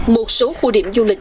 một số khu điểm du lịch